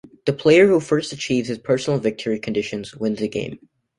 The player who first achieves his personal victory conditions wins the game.